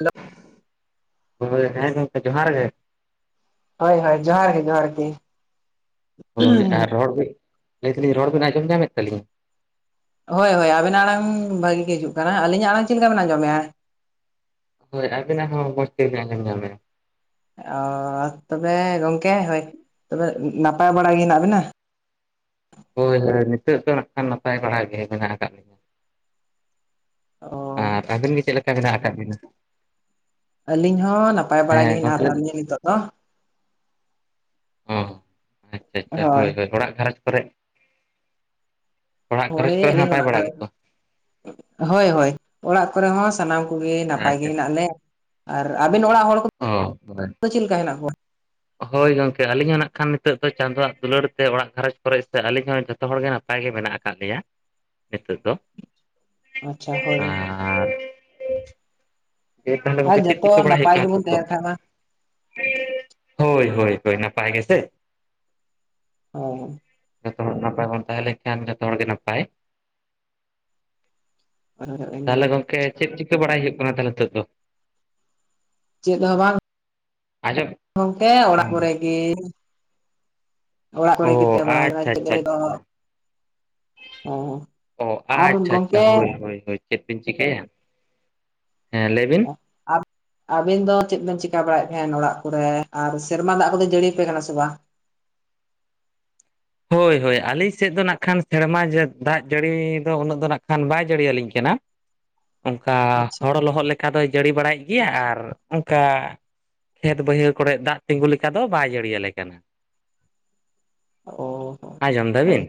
ᱦᱮᱞᱚᱜᱼᱼ ᱦᱚᱭ ᱦᱮᱸ ᱜᱚᱝᱠᱮ ᱡᱚᱦᱟᱨ ᱜᱮ᱾ ᱦᱚᱭ ᱦᱚᱭ ᱡᱚᱦᱟᱨ ᱜᱮ ᱡᱚᱦᱟᱨ ᱜᱤ᱾ ᱦᱳᱭ‌ ᱟᱨ ᱨᱚᱲ ᱠᱤ ᱞᱟᱹᱭ ᱫᱟᱹᱞᱤᱧ ᱨᱚᱲ ᱵᱤᱱ ᱟᱸᱡᱚᱢ ᱧᱟᱢᱮᱜ ᱛᱟᱹᱞᱤᱧᱟ? ᱦᱚᱭ ᱦᱚᱭ ᱟᱵᱮᱱᱟᱜ ᱟᱲᱟᱝ ᱵᱷᱟᱜᱤ ᱜᱮ ᱦᱤᱡᱩᱜ ᱠᱟᱱᱟ ᱟᱹᱞᱤᱧᱟᱜ ᱟᱲᱟᱝ ᱪᱮᱜ ᱞᱤᱠᱟ ᱵᱮᱱ ᱟᱸᱡᱚᱢᱮᱜ-ᱟ? ᱦᱳᱭ ᱟᱵᱮᱱᱟᱜ ᱦᱚᱸ ᱢᱚᱪ ᱛᱮᱜᱮ ᱟᱧᱡᱚᱢ‌ ᱧᱟᱢᱮᱜ-ᱟ᱾ ᱚᱻ ᱛᱚᱵᱮ ᱜᱚᱝᱠᱮ ᱦᱳᱭ ᱛᱚᱵᱮ ᱱᱟᱯᱟᱭ ᱵᱟᱲᱟ ᱜᱮ ᱦᱮᱱᱟᱜ ᱵᱤᱱᱟ? ᱦᱳᱭ ᱦᱳᱭ ᱱᱤᱛᱚᱜ ᱫᱚ ᱱᱟᱜ ᱠᱷᱟᱱ ᱱᱟᱯᱟᱭ ᱵᱟᱲᱟᱟᱜ ᱜᱮ ᱢᱮᱱᱟᱜ ᱠᱟᱜ ᱞᱤᱧᱟ ᱾ ᱚ ᱟᱨ ᱟᱹᱵᱤᱱ ᱜᱮ ᱪᱮᱫ ᱞᱮᱠᱟ ᱢᱮᱱᱟᱜ ᱠᱟᱜ ᱵᱤᱱᱟ? ᱟᱹᱞᱤᱧ ᱦᱚᱸ ᱱᱟᱯᱟᱭ ᱵᱟᱲᱟ ᱜᱮ ᱦᱮᱸ ᱦᱮᱱᱟᱜ ᱜᱚᱝᱠᱮ ᱠᱟᱜ ᱞᱤᱧᱟ ᱱᱤᱛᱳ ᱫᱚ᱾ ᱚ ᱟᱪᱷᱟᱻᱟᱪᱷᱟ, ᱦᱳᱭ ᱦᱳᱭ-ᱦᱳᱭ ᱚᱲᱟᱜ ᱜᱷᱟᱨᱚᱸᱡᱽ ᱠᱚᱨᱮ ᱚᱲᱟᱜ ᱜᱷᱟᱨᱚᱸᱡᱽ ᱦᱳᱭ ᱠᱚᱨᱮ ᱦᱚᱸ ᱟᱞᱤᱧ ᱱᱟᱯᱟᱭ ᱚᱲᱟᱜ ᱵᱟᱲᱟ ᱠᱚᱨᱮ ᱜᱮᱛᱚ? ᱦᱳᱭᱻᱦᱳᱭ, ᱚᱲᱟᱜ ᱠᱚᱨᱮ ᱦᱚᱸ ᱥᱟᱱᱟᱢ ᱠᱚᱜᱮ ᱱᱟᱯᱟᱭ ᱜᱮ ᱟᱪᱪᱷᱟ ᱦᱮᱱᱟᱜ ᱞᱮ᱾ ᱟᱨ ᱟᱵᱮᱱ ᱚᱲᱟᱜ ᱦᱚᱲ ᱠᱚ ᱚ ᱦᱳᱭ ᱫᱚ ᱪᱮᱫ ᱞᱮᱠᱟ ᱦᱮᱱᱟᱜ ᱠᱚᱣᱟ? ᱦᱳᱭ ᱜᱚᱝᱠᱮ ᱟᱹᱞᱤᱧ ᱦᱚᱸ ᱱᱟᱜ ᱠᱷᱟᱱ ᱱᱤᱛᱚᱜ ᱫᱚ ᱪᱟᱸᱫᱳᱣᱟᱜ ᱫᱩᱞᱟᱹᱲ ᱛᱮ ᱚᱲᱟᱜ ᱜᱷᱟᱨᱚᱸᱡᱽ ᱠᱚᱨᱮ ᱥᱮ ᱟᱹᱞᱤᱧ ᱦᱚᱸ ᱡᱚᱛᱚ ᱡᱚᱛᱚ ᱦᱚᱲᱜᱮ ᱱᱟᱯᱟᱭ ᱜᱮ ᱢᱮᱱᱟᱜ ᱠᱟᱜ ᱞᱮᱭᱟ ᱱᱤᱛᱚᱜ ᱫᱚ᱾ ᱟᱪᱷᱟ ᱦᱳᱭᱻᱦᱳᱭ ᱾ ᱟᱨ ᱫᱤᱭᱮ ᱛᱟᱦᱚᱞᱮ ᱟᱨ ᱜᱚᱝᱠᱮ ᱪᱮᱫ ᱡᱚᱛᱚ ᱪᱤᱠᱟᱹ ᱵᱟᱲᱟᱭ ᱦᱩᱭᱩᱜ ᱱᱟᱯᱟᱭ ᱠᱟᱱᱟ ᱜᱮᱵᱚᱱ ᱱᱤᱛᱚᱜ ᱫᱚ? ᱛᱟᱦᱮᱱ ᱠᱷᱟᱱ ᱢᱟ ᱦᱳᱭᱻᱦᱳᱭᱻᱦᱳᱭ, ᱱᱟᱯᱟᱭ ᱜᱮ ᱥᱮ? ᱚ [unintelligible] ᱡᱚᱛᱚ ᱦᱚᱲ ᱱᱟᱯᱟᱭ ᱵᱚᱱ ᱛᱟᱦᱮᱸ ᱞᱮᱱ ᱠᱷᱟᱱ ᱡᱚᱛᱚ ᱦᱚᱲ ᱜᱮ ᱱᱟᱯᱟᱭ᱾ ᱦᱳᱭ ᱛᱟᱦᱚᱞᱮ ᱤᱱᱟᱹᱜᱮ᱾ ᱜᱚᱝᱠᱮ ᱪᱮᱫ ᱪᱤᱠᱟᱹ ᱵᱟᱲᱟᱭ ᱦᱩᱭᱩᱜ ᱠᱟᱱᱟ ᱛᱟᱦᱚᱞᱮ ᱱᱤᱛᱚᱜ ᱫᱚ? ᱪᱮᱫ ᱦᱚᱸ ᱵᱟᱝ, ᱟᱸᱡᱚᱢ ᱜᱚᱝᱠᱮ ᱚᱲᱟᱜ ᱠᱚᱨᱮ ᱜᱮ᱾ ᱚᱲᱟᱜ ᱠᱚᱨᱮ ᱜᱮ ᱚ ᱛᱮᱦᱮ ᱵᱟᱲᱟ ᱦᱳᱭᱳᱜᱼᱟ ᱟᱪᱪᱷᱟ ᱱᱮᱛᱳᱜ ᱟᱪᱪᱷᱟ ᱫᱷᱟᱵᱤᱡ ᱫᱚ ᱟᱪᱪᱷᱟ ᱾ ᱚ ᱟᱨ ᱟᱪᱷᱟᱻᱟᱪᱷᱟ ᱜᱚᱝᱠᱮ ᱦᱳᱭᱻ ᱦᱳᱭ ᱪᱮᱫ ᱵᱤᱱ ᱪᱤᱠᱟᱹᱭᱟ᱾ ᱦᱮᱸ ᱞᱟᱹᱭ ᱵᱤᱱ ᱚ ᱟᱵ [unintelligible] ᱟᱵᱤᱱ ᱫᱚ ᱪᱮᱫ ᱵᱮᱱ ᱪᱤᱠᱟ ᱵᱟᱲᱟᱭᱮᱫ ᱛᱟᱦᱮᱸᱫ ᱚᱲᱟᱜ ᱠᱚᱨᱮ, ᱟᱨ ᱥᱮᱨᱢᱟ ᱫᱟᱜ ᱠᱚᱫᱚ ᱡᱟᱹᱲᱤᱭᱟ ᱯᱮ ᱠᱟᱱᱟ ᱥᱮ ᱵᱟᱝ? ᱦᱳᱭ ᱦᱳᱭ ᱟᱹᱞᱤᱧ ᱥᱮᱫ ᱫᱚ ᱱᱟᱜ ᱠᱷᱟᱱ ᱥᱮᱨᱢᱟ ᱡᱟᱹᱲᱤ ᱫᱟᱜ ᱡᱟᱹᱲᱤ ᱫᱚ, ᱩᱱᱟᱹᱜ ᱫᱚ ᱱᱟᱜ ᱠᱷᱟᱱ ᱵᱟᱭ ᱡᱟᱹᱲᱤ ᱟᱞᱤᱧ ᱠᱟᱱᱟ᱾ ᱚᱱᱠᱟ ᱟᱪᱪᱷᱟ ᱦᱚᱲ ᱞᱚᱦᱚᱫ ᱞᱮᱠᱟ ᱫᱚᱭ ᱡᱟᱹᱲᱤ ᱵᱟᱲᱟᱭᱮᱫ ᱜᱮᱭᱟ ᱟᱨ ᱚᱱᱠᱟ ᱠᱷᱮᱛ ᱵᱟᱹᱭᱦᱟᱹᱲ ᱠᱚᱨᱮᱜ ᱫᱟᱜ ᱛᱤᱸᱜᱩ ᱞᱮᱠᱟ ᱫᱚ ᱵᱟᱭ ᱡᱟᱹᱲᱤᱭᱟᱞᱮ ᱠᱟᱱᱟ᱾ ᱚ ᱟᱸᱡᱚᱢ ᱫᱟᱵᱤᱱ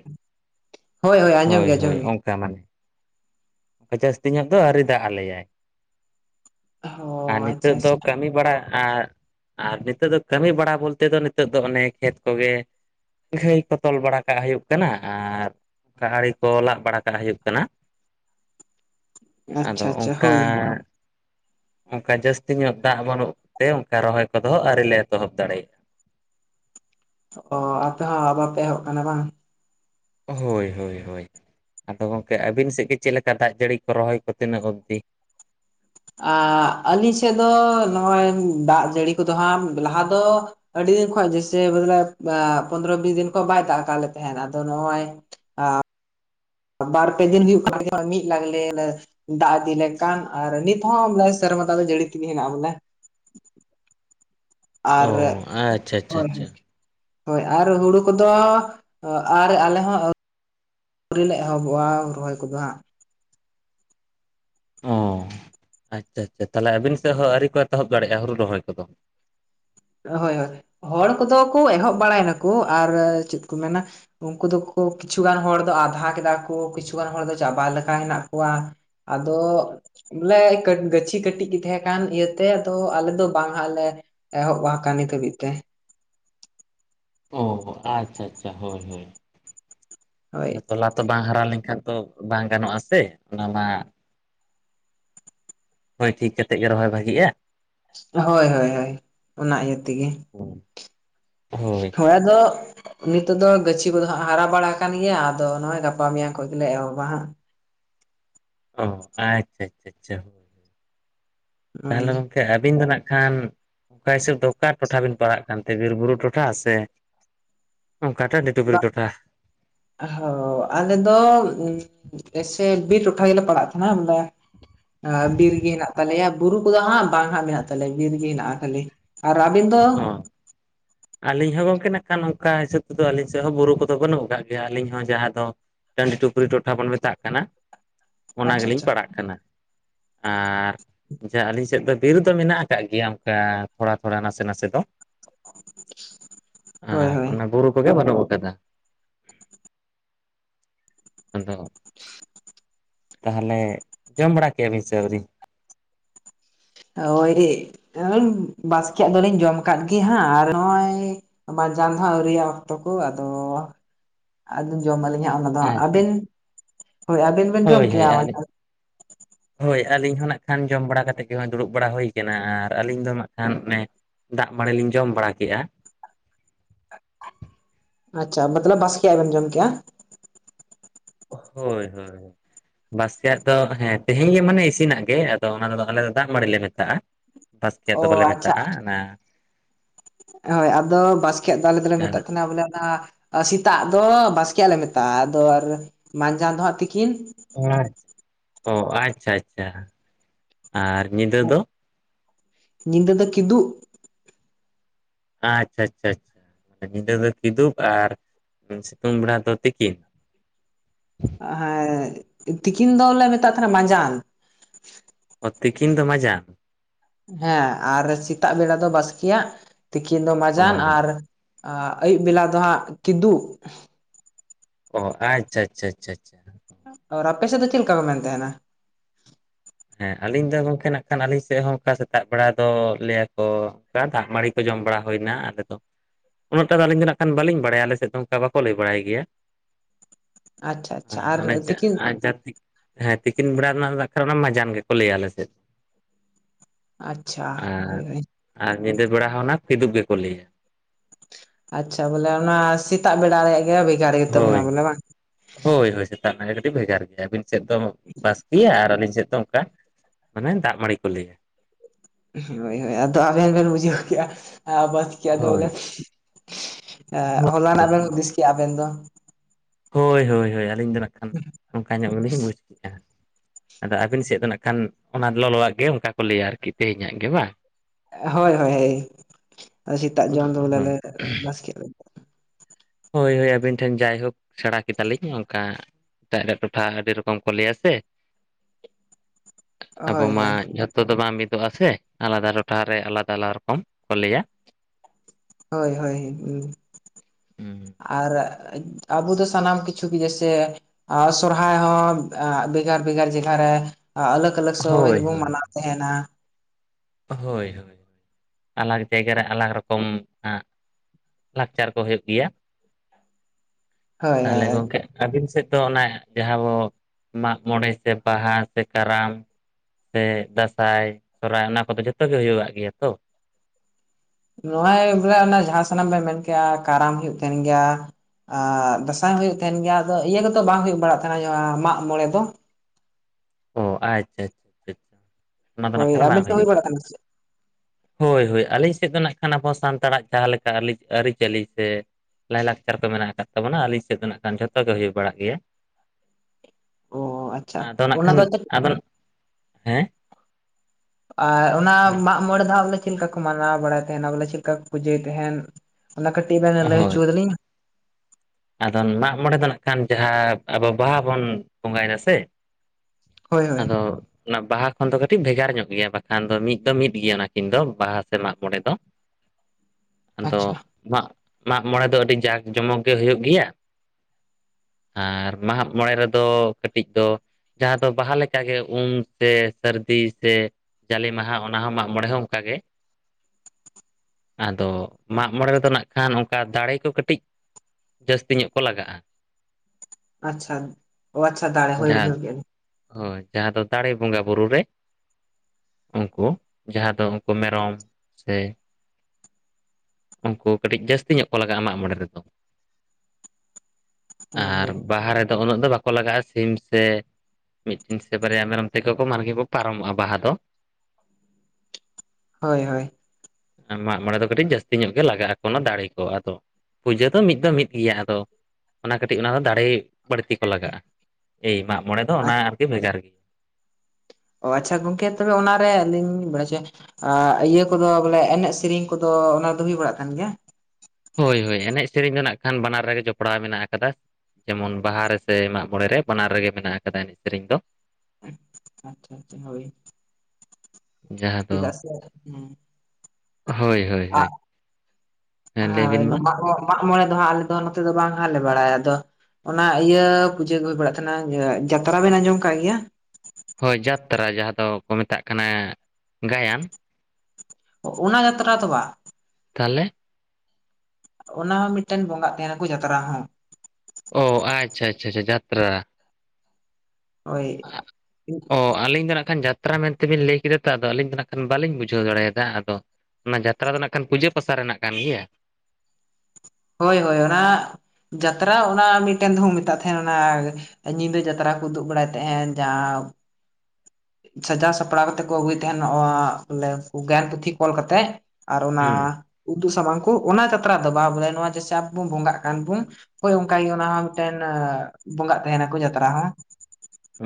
ᱦᱳᱭᱻᱦᱳᱭᱻᱦᱳᱭ, ᱟᱸᱡᱚᱢ ᱜᱮ ᱟᱸᱡᱚᱢ ᱜᱮ ᱠᱟᱱᱟᱝ ᱡᱟᱹᱥᱛᱤ ᱧᱚᱜ ᱫᱚ ᱟᱣᱨᱤ ᱫᱟᱜ ᱟᱞᱮᱭᱟᱭ, ᱚ ᱟᱨ ᱟᱪᱪᱷᱟ ᱱᱤᱛᱚᱜ ᱫᱚ ᱟᱪᱪᱷᱟ ᱠᱟᱹᱢᱤ ᱵᱟᱲᱟ ᱟᱨ, ᱟᱨ ᱱᱤᱛᱚᱜ ᱫᱚ ᱠᱟᱹᱢᱤ ᱵᱟᱲᱟ ᱵᱚᱞᱛᱮ ᱫᱚ ᱱᱤᱛᱚᱜ ᱫᱚ ᱚᱱᱮ ᱠᱷᱮᱛ ᱠᱚᱜᱮ ᱜᱷᱟᱹᱭ ᱠᱚ ᱛᱚᱞ ᱵᱟᱲᱟ ᱠᱟᱜ ᱦᱩᱭᱩᱜ ᱠᱟᱱᱟ᱾ ᱟᱨ ᱟᱲᱮ ᱠᱚ ᱞᱟᱜ ᱵᱟᱲᱟ ᱠᱟᱜ ᱦᱩᱭᱩᱜ ᱠᱟᱱᱟ᱾ ᱟᱪᱪᱷᱟ ᱟᱫᱚ ᱟᱪᱪᱷᱟ ᱚᱱᱠᱟ ᱦᱳᱭ ᱚᱱᱠᱟ ᱡᱟᱹᱥᱛᱤ ᱧᱚᱜ ᱫᱟᱜ ᱵᱟᱹᱱᱩᱜ ᱛᱮ, ᱚᱱᱠᱟ ᱨᱚᱦᱚᱭ ᱠᱚᱫᱚ ᱟᱹᱣᱨᱤ ᱞᱮ ᱮᱛᱚᱦᱚᱵ ᱫᱟᱲᱮ ᱚᱻ ᱟᱯᱮ ᱦᱚᱸ ᱵᱟᱯᱮ ᱮᱦᱚᱵ ᱠᱟᱱᱟ ᱵᱟᱝ? ᱦᱳᱭᱻᱦᱳᱭᱻᱦᱳᱭ, ᱟᱫᱚ ᱜᱚᱢᱠᱮ ᱟᱹᱵᱤᱱ ᱥᱮᱫ ᱜᱮ ᱪᱮᱫ ᱞᱮᱠᱟ ᱫᱟᱜ ᱡᱟᱹᱲᱤ ᱠᱚ, ᱨᱚᱦᱚᱭ ᱠᱚ ᱛᱤᱱᱟᱹᱜ ᱚᱵᱽᱫᱤ? ᱟᱸᱻ ᱟᱹᱞᱤᱧ ᱥᱮᱫ ᱫᱚ ᱱᱚᱜᱼᱚᱭ ᱫᱟᱜ ᱡᱟᱹᱲᱤ ᱠᱚᱫᱚ ᱦᱟᱸᱜ ᱞᱟᱦᱟ ᱫᱚ ᱟᱹᱰᱤ ᱫᱤᱱ ᱠᱷᱚᱱ ᱡᱮᱭᱥᱮ ᱵᱚᱞᱮ ᱯᱚᱱᱨᱚ ᱵᱤᱥ ᱫᱤᱱ ᱠᱷᱚᱜ ᱵᱟᱭ ᱫᱟᱜ ᱠᱟᱜ ᱞᱮ ᱛᱟᱦᱮᱸᱫ ᱟᱫᱚ ᱱᱚᱜᱼᱚᱭ ᱵᱟᱨᱯᱮ ᱫᱤᱱ ᱦᱩᱭᱩᱜ ᱠᱟᱱ ᱜᱮ ᱢᱤᱫ ᱞᱟᱝᱞᱮ ᱫᱟᱜ ᱤᱫᱤ ᱞᱮᱱᱠᱷᱟᱱ ᱟᱨ ᱱᱤᱛ ᱦᱚᱸ ᱵᱚᱞᱮ ᱥᱮᱨᱢᱟ ᱫᱟᱜ ᱫᱚ ᱡᱟᱹᱲᱤ ᱛᱮᱜᱮ ᱦᱮᱱᱟᱜᱼᱟ ᱵᱚᱞᱮ ᱾ ᱚ ᱟᱨ ᱮ ᱟᱪᱪᱷᱟ ᱟᱪᱪᱷᱟ ᱦᱳᱭᱻ, ᱟᱪᱪᱷᱟ ᱦᱳᱭ ᱟᱨ ᱦᱩᱲᱩ ᱠᱚᱫᱚ ᱟᱨ ᱟᱞᱮ ᱦᱚᱸ ᱟᱹᱣᱨᱤ ᱞᱮ ᱮᱦᱚᱵᱚᱜᱼᱟ ᱾ ᱨᱚᱦᱚᱭ ᱠᱚᱫᱚ ᱦᱟᱸᱜ᱾ ᱚᱸ ᱟᱪᱷᱟᱻᱟᱪᱷᱟ, ᱛᱟᱦᱚᱞᱮ ᱟᱹᱵᱤᱱ ᱥᱮᱫ ᱦᱚᱸ ᱟᱹᱣᱨᱤ ᱠᱚ ᱮᱛᱚᱦᱚᱵ ᱫᱟᱲᱮᱭᱟᱜᱼᱟ ᱦᱩᱲᱩ ᱨᱚᱦᱚᱭ ᱠᱚᱫᱚ? ᱦᱳᱭᱻᱦᱳᱭ ᱦᱚᱲ ᱠᱚᱫᱚ ᱠᱚ ᱮᱦᱚᱵ ᱵᱟᱲᱟᱭ ᱫᱟᱠᱚ ᱟᱨ ᱪᱮᱫ ᱠᱚ ᱢᱮᱱᱟ ᱩᱱᱠᱩ ᱫᱚᱠᱚ ᱠᱤᱪᱷᱩ ᱜᱟᱱ ᱦᱚᱲ ᱫᱚ, ᱟᱫᱷᱟ ᱠᱮᱫᱟ ᱠᱚ ᱠᱤᱪᱷᱩ ᱜᱟᱱ ᱦᱚᱲ ᱫᱚ ᱪᱟᱵᱟ ᱞᱮᱠᱟ ᱦᱮᱱᱟᱜ ᱠᱚᱣᱟ᱾ ᱟᱫᱚ ᱵᱚᱞᱮ ᱜᱟᱹᱪᱷᱤ ᱠᱟᱹᱴᱤᱡ ᱜᱮ ᱛᱮᱦᱮᱸ ᱠᱟᱱ ᱤᱭᱟᱹᱛᱮ ᱟᱫᱚ ᱟᱞᱮ ᱫᱚ ᱵᱟᱝ ᱦᱟᱸᱜ ᱞᱮ ᱮᱦᱚᱵᱼᱟ ᱱᱤᱛ ᱫᱷᱟᱹᱵᱤᱡ ᱛᱮ ᱚᱻ ᱟᱪᱷᱟᱻᱟᱪᱷᱟ, ᱦᱳᱭᱻᱦᱳᱭ ᱦᱳᱭ ᱾ ᱛᱚ ᱵᱟᱝ ᱦᱟᱨᱟ ᱞᱮᱱᱠᱷᱟᱱ ᱛᱚ ᱵᱟᱝ ᱜᱟᱱᱚᱜᱼᱟ ᱥᱮ ᱚᱱᱟ ᱢᱟ ᱦᱳᱭ ᱴᱷᱤᱠ ᱠᱟᱛᱮᱜ ᱜᱮ ᱨᱚᱦᱚᱭ ᱵᱷᱟᱹᱜᱤᱜᱼᱟ᱾ ᱦᱳᱭ ᱦᱳᱭ ᱦᱳᱭ ᱚᱱᱟ ᱤᱭᱟᱹ ᱛᱮᱜᱮ᱾ [inaudible] ᱦᱳᱭ ᱛᱷᱚᱲᱟ ᱫᱚ ᱱᱤᱛᱚᱜ ᱫᱚ ᱜᱟᱹᱪᱷᱤ ᱠᱚᱫᱚ ᱦᱟᱸᱜ ᱦᱟᱨᱟ ᱵᱟᱲᱟ ᱠᱟᱱ ᱜᱮᱭᱟ, ᱟᱫᱚ ᱱᱚᱜᱼᱚᱭ ᱜᱟᱯᱟ ᱢᱮᱭᱟᱝ ᱠᱷᱚᱱ ᱜᱮᱞᱮ ᱮᱦᱚᱵᱟ ᱦᱟᱸᱜ᱾ ᱚ ᱟᱪᱪᱷᱟ ᱟᱪᱷᱟ ᱟᱪᱷᱟ ᱦᱳᱭ ᱛᱟᱦᱚᱞᱮ ᱜᱚᱢᱠᱮ ᱟᱹᱵᱤᱱ ᱫᱚ ᱱᱟᱜ ᱠᱷᱟᱱ ᱚᱠᱟ ᱦᱤᱥᱟᱹᱵ ᱫᱚ ᱚᱠᱟ ᱴᱚᱴᱷᱟ ᱵᱮᱱ ᱯᱟᱲᱟᱜ ᱠᱟᱱᱛᱮ ᱵᱤᱨ ᱵᱩᱨᱩ ᱴᱚᱴᱷᱟ ᱥᱮ ᱚᱱᱠᱟ ᱫᱚ [unintelligible] ᱦᱚ ᱟᱞᱮ ᱫᱚ ᱮᱻᱥᱮ ᱵᱤᱴ ᱴᱟᱴᱷᱟ ᱞᱮ ᱯᱟᱲᱟᱜ ᱛᱟᱦᱮᱱᱟ᱾ ᱵᱤᱨ ᱜᱮ ᱦᱮᱱᱟᱜ ᱛᱟᱞᱮᱭᱟ ᱵᱩᱨᱩ ᱠᱚᱫᱚ ᱦᱟᱸᱜ ᱵᱟᱝ ᱦᱟᱜ ᱢᱮᱱᱟᱜ ᱛᱟᱞᱮᱭᱟ ᱵᱤᱨ ᱜᱮ ᱦᱮᱱᱟᱜᱼᱟ ᱠᱷᱟᱹᱞᱤ᱾ ᱟᱨ ᱟᱹᱵᱤᱱ ᱫᱚ? ᱚ ᱟᱹᱞᱤᱧ ᱦᱚᱸ ᱜᱚᱝᱠᱮ ᱱᱟᱜᱠᱷᱟᱱ ᱚᱱᱠᱟ ᱦᱤᱥᱟᱹᱵᱽ ᱛᱮᱫᱚ ᱟᱹᱞᱤᱧ ᱥᱮᱫ ᱦᱚᱸ ᱵᱩᱨᱩ ᱠᱚᱫᱚ ᱵᱟᱹᱱᱩᱜ ᱠᱟᱜ ᱜᱮᱭᱟ᱾ ᱟᱹᱞᱤᱧ ᱦᱚᱸ ᱡᱟᱦᱟᱸ ᱫᱚ, ᱴᱟᱺᱰᱤ ᱴᱩᱯᱨᱤ ᱴᱚᱴᱷᱟ ᱵᱚᱱ ᱢᱮᱛᱟᱜ ᱠᱟᱱᱟ, ᱚᱱᱟ ᱟᱪᱪᱷᱟ ᱜᱮᱞᱤᱧ ᱟᱪᱪᱷᱟ ᱯᱟᱲᱟᱜ ᱠᱟᱱᱟ᱾ ᱟᱨ ᱟᱹᱞᱤᱧ ᱥᱮᱫ ᱫᱚ ᱵᱤᱨ ᱫᱚ ᱢᱮᱱᱟᱜ ᱟᱠᱟᱫ ᱜᱮᱭᱟ ᱚᱱᱠᱟ ᱛᱷᱚᱲᱟ ᱛᱷᱚᱲᱟ ᱱᱟᱥᱮ ᱱᱟᱥᱮ ᱫᱚ᱾ [inaudible] ᱟᱨ ᱚᱱᱟ ᱵᱩᱨᱩ ᱠᱚᱫᱟ ᱵᱟᱹᱱᱩᱜ ᱟᱠᱟᱫᱟ᱾ ᱟᱫᱚ ᱛᱟᱦᱚᱞᱮ ᱡᱚᱢ ᱵᱟᱲᱟ ᱠᱮᱫ ᱵᱤᱱ ᱥᱮ ᱟᱹᱣᱨᱤ? ᱟᱹᱣᱨᱤ ᱳᱭ ᱵᱟᱥᱠᱮ ᱫᱚᱞᱤᱧ ᱡᱚᱢ ᱠᱟᱫ ᱜᱮᱭᱟ ᱦᱟᱸᱜ ᱟᱨ ᱱᱚᱜᱼᱚᱭ ᱟᱢᱟᱜ ᱡᱟᱱᱫᱷᱟᱣ ᱟᱣᱨᱤᱭᱟᱜ ᱚᱠᱛᱚ ᱠᱚ ᱟᱫᱚ ᱟᱫᱚ ᱡᱚᱢ ᱟᱹᱞᱤᱧ ᱦᱟᱸᱜ ᱚᱱᱟ ᱟᱪᱪᱷᱟ ᱫᱟᱸᱜ᱾ ᱟᱪᱪᱷᱟ ᱟᱹᱵᱤᱱ ᱦᱳᱭ ᱟᱵᱤᱱ ᱵᱮᱱ ᱡᱚᱢ ᱦᱳᱭ ᱦᱳᱭ ᱠᱮᱜᱼᱟ? ᱟᱹᱞᱤᱧ [inaudible] ᱦᱳᱭ ᱟᱹᱞᱤᱧ ᱦᱚᱸ ᱱᱟᱜ ᱠᱷᱟᱱ ᱡᱚᱢ ᱵᱟᱲᱟ ᱠᱟᱛᱮᱜ ᱜᱮ ᱫᱩᱲᱩᱵ ᱵᱟᱲᱟ ᱦᱩᱭᱩ ᱠᱟᱱᱟ ᱟᱨ ᱟᱹᱞᱤᱧ ᱫᱚ ᱱᱟᱜ ᱠᱷᱟᱱ ᱚᱱᱮ ᱫᱟᱜ ᱢᱟᱲᱤ ᱞᱤᱧ ᱡᱚᱢ ᱵᱟᱲᱟᱠᱮᱜᱼᱟ᱾ ᱟᱪᱪᱷᱟ ᱢᱚᱛᱞᱚᱵ ᱵᱟᱥᱠᱮᱼᱟᱹᱜ ᱡᱚᱢ ᱠᱮᱜᱼᱟ᱾ ᱦᱳᱭ ᱦᱳᱭ ᱵᱟᱥᱠᱮᱭᱟᱜ ᱫᱚ ᱦᱮᱸ ᱛᱮᱦᱮᱧ ᱜᱮ ᱢᱟᱱᱮ ᱤᱥᱤᱱᱟᱜ ᱜᱮ ᱟᱫᱚ ᱚᱱᱟ ᱟᱞᱮ ᱫᱚ ᱫᱟᱜ ᱢᱟᱲᱤ ᱞᱮ ᱢᱮᱛᱟᱜᱼᱟ᱾ ᱵᱟᱥᱠᱮᱭᱟᱜ ᱚ ᱫᱚ ᱵᱟᱞᱮ ᱟᱪᱪᱷᱟ ᱢᱮᱛᱟᱜᱼᱟ ᱚᱱᱟ᱾ ᱦᱳᱭ ᱟᱫᱚ ᱵᱟᱥᱠᱮᱭᱟᱜ ᱫᱚ ᱟᱞᱮ ᱫᱚᱞᱮ ᱢᱮᱛᱟᱜ ᱡᱟᱦᱟᱸ ᱛᱟᱦᱮᱱᱟ ᱵᱚᱞᱮ ᱚᱱᱟ ᱥᱮᱛᱟᱜ ᱫᱚ ᱵᱟᱥᱠᱮᱭᱟᱜ ᱞᱮ ᱢᱮᱛᱟᱜᱼᱟ᱾ ᱟᱫᱚ ᱢᱟᱸᱡᱟᱱ ᱫᱚ ᱦᱟᱸᱜ ᱛᱤᱠᱤᱱ᱾ ᱟᱪᱷᱟ ᱚ ᱟᱪᱪᱷᱟ ᱟᱪᱪᱷᱟ ᱟᱨ ᱧᱤᱫᱟᱹ ᱫᱚ? ᱧᱤᱫᱟᱹ ᱫᱚ ᱠᱤᱫᱩᱜ ᱟᱪᱷᱟ ᱟᱪᱷᱟ ᱟᱪᱷᱟ ᱧᱤᱫᱟᱹ ᱫᱚ ᱠᱤᱫᱩᱵ ᱟᱨ ᱥᱤᱛᱩᱝ ᱵᱮᱲᱟ ᱫᱚ ᱛᱤᱠᱤᱱ᱾ ᱦᱮᱸ ᱛᱤᱠᱤᱱ ᱫᱚᱞᱮ ᱢᱮᱛᱟᱜ ᱛᱟᱦᱮᱱᱟ ᱢᱟᱸᱡᱟᱱ᱾ ᱛᱤᱠᱤᱱ ᱫᱚ ᱢᱟᱸᱡᱟᱱ ᱾ ᱦᱮᱸ ᱟᱨ ᱥᱮᱛᱟᱜ ᱵᱮᱲᱟ ᱫᱚ ᱵᱟᱥᱠᱮᱭᱟᱜ, ᱛᱤᱠᱤᱱ ᱫᱚ ᱢᱟᱡᱟᱱ ᱚ ᱟᱨ ᱟᱨ ᱟᱹᱭᱩᱵ ᱵᱮᱞᱟ ᱫᱚ ᱦᱟᱸᱜ ᱠᱤᱫᱩᱵ᱾ ᱚ ᱟᱪᱷᱟ ᱟᱪᱷᱟ ᱟᱪᱷᱟ ᱟᱪᱷᱟ ᱟᱨ ᱟᱯᱮᱥᱮᱫ ᱫᱚ ᱪᱮᱫ ᱞᱮᱠᱟ ᱠᱚ ᱢᱮᱱ ᱛᱟᱦᱮᱱᱟ? ᱦᱮᱸ ᱟᱹᱞᱤᱧ ᱫᱚ ᱜᱚᱝᱠᱮ ᱱᱟᱜ ᱠᱷᱟᱱ ᱟᱹᱞᱤᱧ ᱥᱮᱫ ᱦᱚᱸ ᱚᱱᱠᱟ ᱥᱮᱛᱟᱜ ᱵᱮᱲᱟ ᱫᱚ ᱞᱟᱹᱭᱟᱠᱚ ᱚᱱᱠᱟ ᱫᱟᱜ ᱢᱟᱹᱲᱤ ᱠᱚ ᱡᱚᱢ ᱵᱟᱲᱟ ᱦᱩᱭᱱᱟ ᱟᱞᱮ ᱫᱚ᱾ ᱩᱱᱟᱹᱜ ᱴᱟᱜ ᱫᱚ ᱟᱹᱞᱤᱧ ᱫᱚ ᱱᱟᱜ ᱠᱷᱟᱱ ᱵᱟᱞᱤᱧ ᱵᱟᱰᱟᱭᱟ ᱟᱞᱮᱥ ᱫᱚ ᱚᱱᱠᱟ ᱵᱟᱠᱚ ᱞᱟᱹᱭ ᱵᱟᱲᱟᱭ ᱜᱮᱭᱟ᱾ ᱟᱪᱪᱷᱟ ᱟᱪᱪᱷᱟ ᱟᱨ ᱦᱟᱸ ᱚᱰᱮ ᱪᱮᱫ ᱛᱤᱠᱤᱱ ᱟᱨ ᱡᱟᱛᱤᱠ ᱦᱮᱸ ᱛᱤᱠᱤᱱ ᱵᱮᱲᱟ ᱨᱮᱱᱟᱜ ᱫᱟᱠᱟ ᱚᱱᱟ ᱢᱟᱸᱡᱟᱱ ᱜᱮᱠᱚ ᱞᱟᱹᱭᱟ ᱟᱞᱮ ᱥᱮᱫ᱾ ᱟᱪᱪᱷᱟ ᱟᱨ ᱦᱳᱭ ᱟᱨ ᱧᱤᱫᱟᱹ ᱵᱮᱲᱟ ᱦᱚᱸ ᱚᱱᱟ ᱠᱤᱫᱩᱜ ᱜᱮᱠᱚ ᱞᱟᱹᱭᱟ᱾ ᱟᱪᱪᱷᱟ ᱵᱚᱞᱮ ᱚᱱᱟ ᱥᱮᱛᱟᱜ ᱵᱮᱲᱟ ᱨᱮᱭᱟᱜ ᱜᱮ ᱵᱷᱮᱜᱟᱨ ᱜᱮᱛᱟᱵᱚᱱᱟ ᱦᱳᱭ ᱵᱚᱞᱮ ᱵᱟᱝ ᱦᱳᱭ ᱦᱳᱭ ᱥᱮᱛᱟᱜ ᱨᱮᱱᱟᱜ ᱠᱟᱹᱴᱤᱡ ᱵᱷᱮᱜᱟᱨ ᱜᱮᱭᱟ ᱟᱹᱵᱤᱱ ᱪᱮᱫ ᱫᱚ ᱵᱟᱥᱠᱮᱭᱟ ᱟᱨ ᱟᱹᱞᱤᱧ ᱥᱮᱫ ᱫᱚ ᱚᱱᱠᱟ ᱢᱟᱱᱮ ᱫᱟᱜ ᱢᱟᱹᱲᱤ ᱠᱚ ᱞᱟᱹᱭᱟ᱾ ᱦᱳᱭ ᱦᱳᱭ ᱟᱫᱚ ᱟᱵᱮᱱ ᱵᱮᱱ ᱵᱩᱡᱟᱹᱶ ᱠᱮᱜᱼᱟ ᱵᱟᱥᱠᱮᱭᱟᱜ ᱫᱚ ᱦᱳᱭ ᱵᱚᱞᱮ ᱦᱚᱞᱟ ᱱᱟᱜ ᱵᱮᱱ ᱢᱤᱤᱥ ᱠᱮᱜᱼᱟ ᱟᱵᱮᱱ ᱫᱚ᱾ ᱦᱳᱭ ᱦᱳᱭ ᱦᱳᱭ ᱟᱹᱞᱤᱧ ᱫᱚ ᱠᱷᱟᱱ ᱱᱚᱝᱠᱟ ᱧᱚᱜ ᱜᱮᱞᱤᱧ ᱵᱩᱡᱽ ᱠᱮᱫᱼᱟ᱾ ᱟᱫᱚ ᱟᱹᱵᱤᱱ ᱥᱮᱫ ᱫᱚ ᱱᱟᱜ ᱠᱷᱟᱱ ᱚᱱᱟ ᱞᱚᱞᱚᱣᱟᱜ ᱜᱮ ᱚᱱᱠᱟ ᱠᱚ ᱞᱟᱹᱭᱟ ᱟᱨᱠᱤ ᱛᱮᱦᱮᱧᱟᱜ ᱜᱮ ᱵᱟᱝ? ᱦᱳᱭ ᱦᱳᱭ ᱦᱭ ᱥᱮᱛᱟᱜ ᱡᱚᱱ ᱫᱚ ᱵᱚᱞᱮ ᱞᱮ ᱵᱟᱥᱠ ᱞᱮ ᱦᱳᱭ ᱦᱳᱭ ᱟᱹᱵᱤᱱ ᱴᱷᱮᱱ ᱡᱟᱭᱦᱳᱠ ᱥᱮᱬᱟ ᱠᱮᱫᱟᱞᱤᱧ ᱚᱱᱠᱟ ᱮᱴᱟᱜ ᱨᱮᱱᱟᱜ ᱴᱚᱴᱷᱟ ᱟᱹᱰᱤ ᱨᱚᱠᱚᱢ ᱠᱚ ᱞᱟᱹᱭᱟ ᱥᱮ ᱟᱵᱚ ᱦᱳᱭ ᱢᱟ ᱦᱳᱭ ᱡᱷᱚᱛ ᱡᱚᱛᱚ ᱫᱚ ᱵᱟᱝ ᱢᱤᱫᱳᱜ-ᱟ ᱥᱮ ᱟᱞᱟᱫᱟ ᱴᱳᱴᱷᱟ ᱨᱮ ᱟᱞᱟᱫᱟ ᱟᱞᱟᱫᱟ ᱨᱳᱠᱳᱢ ᱠᱚ ᱞᱮᱭᱟ᱾ ᱦᱳᱭ ᱦᱳᱭ, ᱟᱨ ᱟᱵᱚ ᱫᱚ ᱥᱟᱱᱟᱢ ᱠᱤᱪᱷᱩ ᱜᱮᱥᱮ ᱟᱨ ᱥᱚᱨᱦᱟᱭ ᱦᱚᱸ ᱵᱷᱮᱜᱟᱨ ᱵᱷᱮᱜᱟᱨ ᱡᱟᱭᱟᱨᱮ, ᱟᱞᱟᱜ ᱟᱫᱚ ᱥᱳᱭ ᱦᱳᱭ ᱫᱚᱵᱚᱱ ᱦᱳᱭ ᱢᱟᱱᱟᱣ ᱛᱟᱦᱮᱱᱟᱺ ᱦᱳᱭ ᱦᱳᱭ ᱟᱞᱟᱜᱽ ᱡᱟᱭᱜᱟᱟᱨ ᱨᱮ ᱟᱞᱟᱜᱽ ᱨᱚᱠᱚᱢ ᱟᱸᱜ ᱞᱟᱠᱪᱟᱨ ᱠᱚ ᱦᱩᱭᱩᱜ ᱜᱮᱭᱟ ᱦᱳᱭ ᱦᱳᱭ ᱛᱟᱦᱚᱞᱮ ᱜᱚᱝᱠᱮ ᱟᱹᱵᱤᱱ ᱥᱮᱫ ᱫᱚ ᱚᱱᱟ ᱡᱟᱦᱟᱸ ᱵᱚ ᱢᱟᱜ ᱢᱚᱬᱮ ᱥᱮ ᱵᱟᱦᱟ ᱥᱮ ᱠᱟᱨᱟᱢ ᱥᱮ ᱫᱟᱸᱥᱟᱭ ᱥᱚᱨᱦᱟᱭ ᱚᱱᱟ ᱠᱚᱫᱚ ᱡᱚᱛᱚ ᱜᱮ ᱦᱩᱭᱩᱜ ᱜᱮᱭᱟ ᱛᱚ? ᱱᱚᱜᱼᱚᱭ ᱵᱚᱞᱮ ᱨᱮᱱᱟᱜ ᱡᱟᱦᱟᱸ ᱥᱟᱱᱟᱢ ᱢᱮ ᱢᱮᱱ ᱠᱮᱜᱼᱟ ᱠᱟᱨᱟᱢ ᱦᱩᱭᱩᱜ ᱛᱟᱦᱮᱱ ᱜᱮᱭᱟ᱾ ᱟᱨ ᱫᱟᱸᱥᱟᱭ ᱦᱩᱭᱩᱜ ᱛᱟᱸᱦᱮᱱ ᱜᱮᱭᱟ ᱟᱫᱚ ᱤᱭᱟᱹ ᱠᱚᱫᱚᱚ ᱵᱟᱝ ᱦᱩᱭᱩᱜ ᱵᱟᱲᱟᱜ ᱛᱟᱦᱮᱱᱟ ᱢᱟᱜᱽ ᱢᱚᱬᱮ ᱫᱚ᱾ ᱚ ᱟᱪᱪᱷᱟ ᱪᱷᱟ ᱪᱷᱟ ᱚᱱᱟ ᱫᱚ ᱵᱟᱝ ᱦᱳᱭ ᱠᱷᱟᱱ ᱵᱟᱝ ᱟᱵᱮᱱ ᱥᱮᱫ ᱦᱩᱭ ᱦᱩᱭᱩᱜᱼᱟ᱾ ᱵᱟᱲᱟᱜ ᱠᱟᱱᱟ ᱥᱮ ᱪᱮᱫ ᱦᱳᱭ ᱦᱳᱭ ᱟᱹᱞᱤᱧ ᱥᱮᱫ ᱫᱚ ᱱᱟᱜ ᱠᱷᱟᱱ ᱟᱵᱚ ᱥᱟᱱᱛᱟᱲᱟᱜ ᱡᱟᱦᱟᱸ ᱞᱮᱠᱟ ᱱᱟᱝ ᱟᱹᱨᱤᱪᱟᱹᱞᱤ ᱥᱮ ᱞᱟᱭᱼᱞᱟᱠᱪᱟᱨ ᱠᱚ ᱢᱮᱱᱟᱜ ᱟᱠᱟᱫ ᱛᱟᱵᱚᱱᱟ ᱟᱹᱞᱤᱧ ᱥᱮᱫ ᱫᱚ ᱱᱟᱜ ᱠᱷᱟᱱ ᱡᱷᱚᱛᱚ ᱜᱮ ᱦᱩᱭ ᱵᱟᱲᱟᱜ ᱜᱮᱭᱟ᱾ ᱳᱸ ᱟᱪᱪᱷᱟ ᱚᱱᱟ ᱚᱱᱟ ᱫᱚ ᱪᱮᱫ ᱟᱵᱟᱨ, ᱦᱮᱸ? ᱟᱨ ᱚᱱᱟ ᱢᱟᱜ ᱢᱚᱬᱮ ᱫᱚ ᱵᱚᱞᱮ ᱪᱮᱫ ᱞᱮᱠᱟ ᱠᱚ ᱢᱟᱱᱟᱣ ᱵᱟᱲᱟᱭ ᱛᱟᱦᱮᱱᱟ ᱵᱚᱞᱮ ᱪᱮᱫᱮ ᱞᱮᱠᱟ ᱠᱳ ᱯᱩᱡᱟᱹᱭ ᱛᱟᱦᱮᱸᱱ? ᱚᱱᱟ ᱠᱟᱹᱴᱤ ᱢᱟᱱᱮ ᱞᱮᱭ ᱦᱚᱪᱚ ᱦᱳᱭ ᱟᱠᱟᱫᱤᱧ, ᱟᱫᱚ ᱢᱟᱜ ᱢᱚᱬᱮ ᱫᱚ ᱱᱟᱜ ᱠᱷᱟᱱ ᱡᱟᱦᱟᱸ ᱟᱵᱚ ᱵᱟᱦᱟ ᱵᱚᱱ ᱵᱚᱸᱜᱟᱭ ᱫᱟ ᱥᱮ, ᱦᱳᱭ ᱦᱳᱭ ᱟᱫᱚ ᱚᱱᱟ ᱵᱟᱦᱟ ᱠᱷᱚᱱ ᱫᱚ ᱠᱟᱹᱴᱤᱡ ᱵᱷᱮᱜᱟᱨ ᱧᱚᱜ ᱜᱮᱭᱟ ᱵᱟᱠᱷᱟᱱ ᱫᱚ ᱢᱤᱫ ᱫᱚ ᱢᱤᱫ ᱜᱮᱭᱟ ᱚᱱᱟᱠᱤᱱ ᱫᱚ ᱵᱟᱦᱟ ᱥᱮ ᱢᱟᱜ ᱢᱚᱬᱮ ᱫᱚ᱾ ᱟᱫᱚ ᱟᱪᱪᱷᱟ ᱢᱟᱜ, ᱢᱟᱜ ᱢᱚᱬᱮ ᱫᱚ ᱟᱹᱰᱤ ᱡᱟᱸᱠᱼ ᱡᱚᱢᱚᱠ ᱜᱮ ᱦᱩᱭᱩᱜ ᱜᱮᱭᱟ ᱟᱨ ᱵᱟᱦᱟᱜ ᱢᱚᱬᱮ ᱨᱮᱫᱚ ᱠᱟᱹᱴᱤᱡ ᱫᱚ ᱡᱟᱦᱟᱸ ᱫᱚ ᱵᱟᱦᱟ ᱞᱮᱠᱟᱜᱮ ᱩᱢ ᱥᱮ ᱥᱟᱹᱨᱫᱤ ᱥᱮ ᱡᱟᱞᱮ ᱢᱟᱦᱟ ᱚᱱᱟ ᱦᱚᱸ ᱢᱟᱜ ᱢᱚᱬᱮ ᱦᱚᱸ ᱚᱱᱠᱟᱜᱮ ᱟᱫᱚ ᱢᱟᱜ ᱢᱚᱬᱮ ᱨᱮᱫᱚ ᱱᱟᱜ ᱠᱷᱟᱱ ᱚᱱᱠᱟ ᱫᱟᱲᱮ ᱠᱚ ᱠᱟᱹᱴᱤᱡ ᱡᱟᱹᱥᱛᱤ ᱧᱚᱜ ᱠᱚ ᱞᱟᱜᱟᱜᱼᱟ᱾ ᱟᱪᱪᱷᱟ ᱳ ᱟᱪᱷᱟ ᱫᱟᱬᱮ ᱦᱳᱭ ᱵᱩᱡᱷᱟᱹᱳ ᱡᱟᱦᱟᱸ ᱠᱮᱫᱟ ᱞᱤᱧ᱾ ᱦᱳᱭ ᱡᱟᱦᱟᱸ ᱫᱚ ᱫᱟᱲᱮ ᱵᱚᱸᱜᱟ ᱵᱩᱨᱩ ᱨᱮ ᱩᱱᱠᱩ ᱡᱟᱦᱟᱸ ᱫᱚ ᱩᱱᱠᱩ ᱢᱮᱨᱚᱢ ᱥᱮ ᱩᱱᱠᱩ ᱠᱟᱹᱴᱤᱡ ᱡᱟᱹᱥᱛᱤ ᱧᱚᱜ ᱠᱚ ᱞᱟᱜᱼᱟ ᱢᱟᱜ ᱢᱚᱬᱮ ᱨᱮᱫᱚ᱾ ᱦᱳᱭ ᱟᱨ ᱦᱳᱭ ᱵᱟᱦᱟ ᱨᱮᱫᱚ ᱩᱱᱟᱹᱜ ᱫᱚ ᱵᱟᱝᱠᱚ ᱞᱟᱜᱟᱜᱼᱟ ᱥᱤᱢ ᱥᱮ ᱢᱤᱫᱴᱤᱱ ᱥᱮ ᱵᱟᱨᱭᱟ ᱢᱮᱨᱚᱢ ᱛᱠᱚ ᱠᱚ ᱢᱟᱨᱠᱮ ᱠᱚ ᱯᱟᱨᱚᱢᱚᱜᱼᱟ ᱵᱟᱦᱟ ᱫᱚ, ᱦᱳᱭ ᱦᱳᱭ᱾ ᱢᱟᱜ ᱢᱚᱬᱮ ᱫᱚ ᱠᱟᱹᱴᱤᱡ ᱡᱟᱹᱥᱛᱤ ᱧᱚᱜ ᱜᱮ ᱞᱟᱜᱟᱜ ᱟᱠᱚ ᱚᱱᱟ ᱫᱟᱲᱮ ᱠᱚ, ᱟᱫᱚ ᱯᱩᱡᱟᱹ ᱫᱚ ᱢᱤᱫ ᱫᱚ ᱢᱤᱫ ᱜᱤᱭᱟᱹᱟᱫᱚ ᱚᱱᱟ ᱠᱟᱹᱴᱤᱡ ᱚᱱᱟ ᱫᱚ ᱫᱟᱲᱮ ᱵᱟᱹᱲᱛᱤ ᱠᱚ ᱞᱟᱜᱟᱜᱼᱟ ᱮᱭ ᱢᱟᱜ ᱢᱚᱬᱮ ᱫᱚ ᱚᱱᱟ ᱟᱨᱠᱤ ᱵᱷᱮᱜᱟᱨ ᱜᱮᱭᱟ᱾ ᱚ ᱟᱪᱪᱷᱟ ᱜᱚᱝᱠᱮ ᱛᱚᱵᱮ ᱚᱱᱟᱨᱮ ᱟᱹᱞᱤᱧ ᱵᱟᱲᱟᱭ ᱦᱚ ᱪᱮ ᱟᱨ ᱤᱭᱟᱹ ᱠᱚᱫᱚ ᱵᱚᱞᱮ ᱮᱱᱮᱡ ᱥᱮᱨᱮᱧ ᱠᱚᱫᱚ ᱚᱱᱟ ᱫᱚ ᱦᱩᱭ ᱵᱟᱲᱟᱜ ᱠᱟᱱ ᱜᱮᱭᱟ? ᱦᱳᱭ ᱦᱳᱭ ᱮᱱᱮᱡ ᱥᱮᱨᱮᱧ ᱫᱚ ᱱᱟᱜ ᱠᱷᱟᱱ ᱵᱟᱱᱟᱨ ᱨᱮᱜᱮ ᱡᱚᱯᱲᱟᱣ ᱢᱮᱱᱟᱜ ᱠᱟᱫᱟ᱾ ᱡᱮᱢᱚᱱ ᱵᱟᱦᱟ ᱨᱮᱥᱮ ᱢᱟᱜ ᱢᱚᱬᱮ ᱨᱮ ᱵᱟᱱᱟᱨ ᱨᱮᱜᱮ ᱢᱮᱱᱟᱜ ᱟᱠᱟᱫᱟ ᱮᱱᱮᱡ ᱥᱮᱨᱮᱧ ᱫᱚ᱾ ᱟᱪᱪᱷᱟ ᱟᱪᱪᱷᱟ ᱦᱳᱭ ᱡᱟᱦᱟᱸ ᱫᱚ ᱪᱮᱫᱟᱜ ᱥᱮ ᱦᱳᱭ ᱦᱳᱭ ᱟᱜ ᱦᱳᱭ᱾ ᱦᱮᱸ ᱞᱟᱹᱭ ᱦᱳᱭ ᱵᱤᱱ ᱢᱟ ᱢᱟᱜ ᱢᱚᱬᱮ ᱫᱚ ᱦᱟᱸᱜ ᱟᱮ ᱫᱚ ᱱᱚᱛᱮ ᱫᱚ ᱵᱟᱝ ᱦᱟᱸᱜ ᱞᱮ ᱵᱟᱲᱟᱭᱟ ᱟᱫᱚ ᱚᱱᱟ ᱤᱭᱟᱹ ᱯᱩᱡᱟᱹ ᱜᱮ ᱦᱩᱭ ᱵᱟᱲᱟᱜ ᱛᱟᱦᱮᱱᱟ ᱡᱟᱛᱨᱟ ᱵᱮᱱ ᱟᱸᱡᱚᱢ ᱟᱠᱟᱫ ᱜᱮᱭᱟ ᱦᱳᱭ ᱡᱟᱛᱨᱟ ᱡᱟᱦᱟᱸ ᱫᱚᱠᱚ ᱢᱮᱛᱟᱜ ᱠᱟᱱᱟ ᱜᱟᱭᱟᱱ ᱚᱱᱟ ᱡᱟᱛᱨᱟ ᱫᱚ ᱵᱟᱝ ᱛᱟᱦᱚᱞᱮ ᱚᱱᱟ ᱦᱚᱸ ᱢᱤᱫᱴᱮᱱ ᱵᱚᱸᱜᱟᱜ ᱛᱟᱦᱮᱱᱟᱠᱚ ᱡᱟᱛᱨᱟ ᱦᱚᱸ ᱚ ᱟᱪᱪᱷᱟ ᱟᱪᱪᱷᱟ ᱟᱷᱟ ᱡᱟᱛᱨᱟ ᱦᱳᱭ ᱚ ᱟᱹᱞᱤᱧ ᱫᱚ ᱱᱟᱜ ᱠᱷᱟᱱ ᱡᱟ ᱵᱟᱛᱨᱟ ᱢᱮᱱᱛᱮᱵᱤᱱ ᱞᱟᱹᱭ ᱠᱮᱫᱟ ᱛᱚ ᱟᱫᱚ ᱟᱹᱞᱤᱧ ᱫᱚ ᱱᱟᱜ ᱠᱷᱟᱱ ᱵᱟᱹᱞᱤᱧ ᱵᱩᱡᱷᱟᱹᱣ ᱫᱟᱲᱮᱭᱟᱫᱟ ᱟᱫᱚ ᱚᱱᱟ ᱡᱟᱛᱨᱟ ᱫᱚ ᱱᱟᱜ ᱠᱷᱟᱱ ᱯᱩᱡᱟᱹ ᱯᱟᱥᱟ ᱨᱮᱱᱟᱜ ᱠᱟᱱ ᱜᱮᱭᱟ ᱦᱳᱭ ᱦᱳᱭ ᱚᱱᱟ ᱡᱟᱛᱨᱟ ᱚᱱᱟ ᱢᱤᱫᱴᱮᱱ ᱫᱚ ᱢᱮᱛᱟᱜ ᱛᱟᱦᱮᱱ ᱚᱱᱟ ᱧᱤᱫᱟᱹ ᱡᱟᱛᱨᱟ ᱠᱚ ᱩᱫᱩᱜ ᱵᱟᱲᱟᱭᱮᱫ ᱛᱟᱦᱮᱸᱱ ᱡᱟ ᱥᱟᱡᱟᱣ ᱥᱟᱯᱲᱟᱣ ᱠᱟᱛᱮᱫ ᱠᱚ ᱟᱹᱜᱩᱭ ᱛᱟᱦᱮᱱᱟᱚᱜ ᱵᱚᱞᱮ ᱩᱱ ᱜᱮᱭᱟᱱ ᱯᱩᱛᱷᱤ ᱠᱚᱞ ᱠᱟᱛᱮᱫ ᱟᱨ ᱚᱱᱟ ᱦᱩᱸ ᱩᱛᱩ ᱥᱟᱢᱟᱝ ᱠᱚ ᱚᱱᱟ ᱡᱟᱛᱨᱟ ᱫᱚ ᱵᱟ ᱵᱟᱭᱟ ᱱᱚᱣᱟ ᱡᱮᱭᱥᱮ ᱟᱵ ᱵᱚᱱ ᱵᱚᱸᱜᱟᱜ ᱠᱟᱱ ᱵᱚᱱ ᱦᱳᱭ ᱚᱱᱠᱟᱜᱮ ᱚᱱᱟ ᱦᱚᱸ ᱢᱤᱫᱴᱮᱱ ᱵᱚᱸᱜᱟᱜ ᱛᱟᱦᱮᱱᱟᱠᱚ ᱡᱟᱛᱨᱟ ᱦᱚᱸ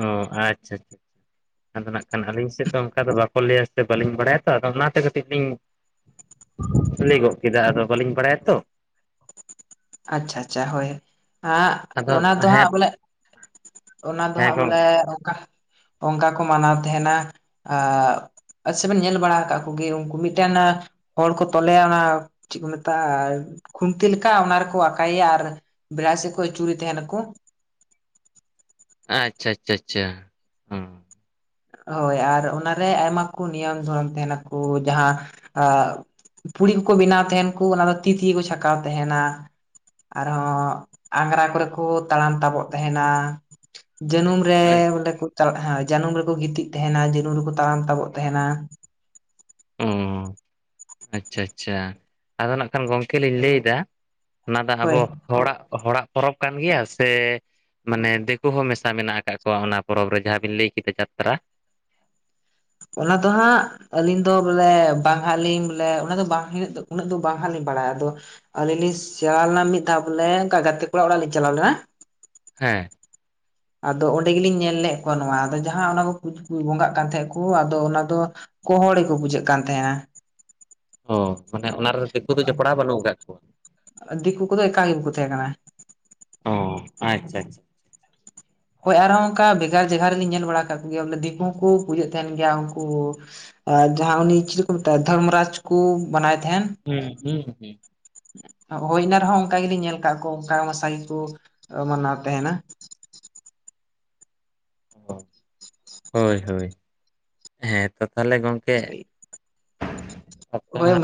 ᱚ ᱟᱪᱪᱷᱟ ᱟᱪᱪᱷᱟ ᱟᱪᱷᱟ ᱟᱫᱚ ᱱᱟᱜ ᱠᱷᱟᱱ ᱟᱹᱞᱤᱧ ᱥᱮᱫ ᱫᱚ ᱚᱱᱠᱟ ᱫᱚ ᱵᱟᱠᱚ ᱞᱟᱹᱭᱟ ᱥᱮ ᱵᱟᱹᱞᱤᱧ ᱵᱟᱲᱟᱭᱟᱛᱚ ᱟᱫᱚ ᱚᱱᱟᱛᱮ ᱠᱟᱹᱴᱤᱡ ᱞᱤᱧ ᱞᱟᱹᱭ ᱜᱚᱫ ᱠᱮᱫᱟ ᱟᱫᱚ ᱵᱟᱹᱞᱤᱧ ᱵᱟᱲᱟᱭᱟᱛᱚ ᱟᱪᱪᱷᱟ ᱟᱪᱪᱷᱟ ᱦᱳᱭ ᱦᱮᱸ ᱟᱫᱚ ᱚᱱᱟ ᱫᱚ ᱦᱮᱸ ᱦᱟᱸᱜ ᱵᱚᱞᱮ [inaudible] ᱚᱱᱟ ᱫᱚ ᱦᱮᱸ ᱦᱟᱸᱜ ᱜᱚᱝ ᱵᱚᱞᱮ ᱚᱱᱠᱟ ᱚᱱᱠᱟ ᱠᱚ ᱢᱟᱱᱟᱣ ᱛᱟᱦᱮᱱᱟ ᱟᱪ ᱥᱮ ᱵᱮᱱ ᱧᱮᱞ ᱵᱟᱲᱟ ᱟᱠᱟᱫ ᱠᱚᱜᱮ ᱩᱱᱠᱩ ᱢᱤᱫᱴᱮᱱ ᱦᱚᱲ ᱠᱚ ᱛᱚᱞᱮᱭᱟ ᱚᱱᱟ ᱪᱮᱫ ᱠᱚ ᱢᱮᱛᱟᱜᱼᱟ ᱟᱨ ᱠᱷᱩᱱᱴᱤ ᱞᱮᱠᱟ ᱚᱱᱟ ᱟᱠᱟᱭᱟ ᱟᱨ ᱵᱮᱲᱟᱥᱤᱮᱫᱠᱚ ᱪᱩᱲᱤ ᱛᱟᱦᱮᱱᱟᱠᱚ ᱟᱪᱪᱷᱟ ᱟᱪᱪᱷᱟ ᱟᱪᱪᱷᱟ ᱚ ᱦᱳᱭ ᱟᱨ ᱚᱱᱟᱨᱮ ᱟᱭᱢᱟ ᱠᱚ ᱱᱤᱭᱚᱢ ᱫᱷᱚᱨᱚᱱ ᱛᱟᱦᱮᱱᱟᱠᱚ ᱡᱟᱦᱟᱸ ᱯᱩᱲᱤ ᱠᱚᱠᱚ ᱵᱮᱱᱟᱣ ᱛᱟᱦᱮᱱ ᱠᱚ ᱚᱱᱟ ᱫᱚ ᱛᱤ ᱛᱮ ᱠᱚ ᱪᱷᱟᱸᱠᱟᱣ ᱛᱟᱦᱮᱱᱟ ᱟᱨᱦᱚᱸ ᱟᱜᱨᱟ ᱠᱚᱨᱮ ᱠᱚ ᱛᱟᱲᱟᱢ ᱛᱟᱵᱚᱜ ᱛᱟᱦᱮᱱᱟ ᱡᱟᱹᱱᱩᱢ ᱨᱮ ᱵᱚᱞᱮ ᱠᱚ ᱪᱟᱞᱟᱜᱼᱟ ᱦᱮᱸ ᱡᱟᱹᱱᱩᱢ ᱨᱮ ᱜᱤᱛᱤᱡ ᱛᱟᱦᱮᱱᱟ ᱡᱟᱹᱱᱩ ᱨᱮᱠᱚ ᱛᱟᱲᱟᱢ ᱛᱟᱵᱚᱜ ᱛᱟᱦᱮᱱᱟ ᱚ ᱟᱪᱪᱷᱟ ᱟᱪᱪᱷᱟ ᱟᱫᱚ ᱱᱟᱜ ᱠᱷᱟᱱ ᱜᱚᱝᱠᱮ ᱞᱤᱧ ᱞᱟᱹᱭ ᱮᱫᱟ ᱚᱱᱟ ᱫᱚ ᱦᱳᱭ ᱟᱵᱚ ᱦᱚᱲᱟᱜ ᱦᱚᱲᱟᱜ ᱯᱚᱨᱚᱵᱽ ᱠᱟᱱ ᱜᱮᱭᱟ ᱥᱮ ᱢᱟᱱᱮ ᱫᱤᱠᱩ ᱦᱚᱸ ᱢᱮᱥᱟ ᱢᱮᱱᱟᱜ ᱟᱠᱟᱫ ᱠᱚᱣᱟ ᱚᱱᱟ ᱯᱚᱨᱚᱵᱽ ᱨᱮ ᱡᱟᱦᱟᱸ ᱵᱤᱱ ᱞᱟᱹᱭ ᱠᱮᱫᱟ ᱡᱟᱛᱨᱟ ᱚᱱᱟ ᱫᱚ ᱦᱟᱸᱜ ᱟᱹᱞᱤᱧ ᱫᱚ ᱵᱚᱞᱮ ᱵᱟᱝ ᱦᱟᱸᱜ ᱞᱤᱧ ᱵᱚᱞᱮ ᱚᱱᱟ ᱫᱚ ᱵᱟᱝ ᱦᱹᱜ ᱫᱚ ᱩᱱᱟᱹᱜ ᱫᱚ ᱵᱟᱝ ᱦᱟᱸᱜ ᱞᱤᱧ ᱵᱟᱲᱟᱭᱟ ᱟᱫᱚ ᱟᱹᱞᱤᱧ ᱞᱤᱧ ᱥᱮᱬᱟ ᱞᱮᱱᱟ ᱢᱤᱫ ᱫᱷᱟᱣ ᱵᱚᱞᱮ ᱚᱱᱠᱟ ᱜᱟᱛᱮ ᱠᱚᱲᱟ ᱚᱲᱟᱜ ᱞᱤᱧ ᱪᱟᱞᱟᱣ ᱞᱮᱱᱟ ᱦᱮᱸ ᱟᱫᱚ ᱚᱸᱰᱮ ᱜᱮᱞᱤᱧ ᱧᱮᱞ ᱞᱮᱫᱜ ᱠᱚᱣᱟ ᱱᱚᱣᱟ ᱟᱫᱚ ᱡᱟᱦᱟᱸ ᱠᱚ ᱠᱩᱪᱠᱩ ᱵᱚᱸᱜᱟᱜ ᱠᱟᱱ ᱛᱟᱦᱮᱸᱫ ᱠᱚ ᱟᱫᱚ ᱚᱱᱟᱫᱚ ᱜ ᱦᱚᱲ ᱜᱮᱠᱚ ᱵᱩᱡᱷᱟᱹᱜ ᱠᱟᱱ ᱛᱟᱦᱮᱱᱟ ᱚ ᱢᱟᱱᱮ ᱚᱱᱟᱨᱮ ᱫᱤᱠᱩ ᱫᱚ ᱡᱚᱯᱲᱟᱣ ᱵᱟᱹᱱᱩᱜ ᱟᱠᱟᱫ ᱠᱚᱣᱟ ᱫᱤᱠᱩ ᱠᱚᱫᱚ ᱮᱠᱟᱞ ᱜᱮ ᱵᱟᱠᱚ ᱛᱟᱦᱮᱸ ᱠᱟᱱᱟ ᱚ ᱟᱪᱪᱷᱟ ᱟᱪᱪᱷᱟ᱾ ᱦᱳᱭ ᱟᱨᱦᱚᱸ ᱚᱱᱠᱟ ᱵᱷᱮᱜᱟᱨ ᱡᱟᱭᱜᱟ ᱨᱮᱞᱤᱧ ᱧᱮᱞ ᱵᱟᱲᱟ ᱠᱟᱜ ᱠᱚᱜᱮᱭᱟ ᱵᱚᱞᱮ ᱫᱤᱠᱩ ᱦᱚᱸᱠᱚ ᱯᱩᱡᱟᱹᱜ ᱛᱟᱦᱮᱱ ᱜᱮᱭᱟ ᱩᱱᱠᱩ ᱟᱨ ᱡᱟᱦᱟᱸ ᱩᱱᱤ ᱪᱮᱫᱤ ᱠᱚ ᱢᱮᱛᱟᱭᱼᱟ ᱫᱷᱚᱨᱢᱚ ᱨᱟᱡᱽ ᱠᱚ ᱢᱟᱱᱟᱣ ᱛᱟᱦᱮᱸᱱ ᱦᱩᱸ ᱦᱩᱸ ᱦᱩᱸ ᱦᱳᱭ ᱮᱱᱟ ᱨᱮᱦᱚᱸ ᱚᱱᱠᱟ ᱜᱮᱞᱤᱮᱧ ᱧᱮᱞ ᱠᱟᱜ ᱠᱚ ᱚᱱᱠᱟ ᱢᱟᱥᱟ ᱜᱮᱠᱚ ᱢᱟᱱᱟᱣ ᱛᱟᱦᱮᱱᱟ ᱦᱳᱭ ᱦᱳᱭ ᱦᱮᱸᱛᱚ ᱛᱟᱦᱞᱮ ᱜᱚᱝᱠᱮ ᱦᱳᱭ [unintelligible]